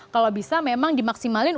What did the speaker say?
kalau bisa memang dimaksimalin